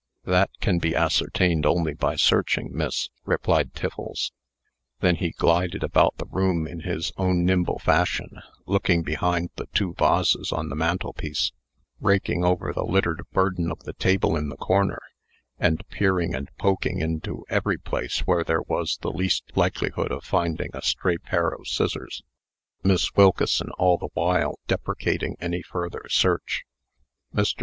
"That can be ascertained only by searching, miss," replied Tiffles. Then he glided about the room in his own nimble fashion, looking behind the two vases on the mantelpiece, raking over the littered burden of the table in the corner, and peering and poking into every place where there was the least likelihood of finding a stray pair of scissors; Miss Wilkeson all the while deprecating any further search. Mr.